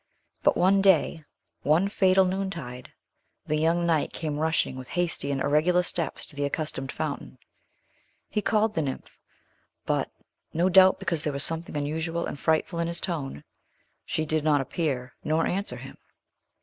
But one day one fatal noontide the young knight came rushing with hasty and irregular steps to the accustomed fountain. He called the nymph; but no doubt because there was something unusual and frightful in his tone she did not appear, nor answer him.